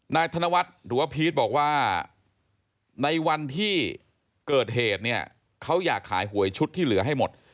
ธนวัฒน์หรือว่าพีชบอกว่าในวันที่เกิดเหตุเนี่ยเขาอยากขายหวยชุดที่เหลือให้หมด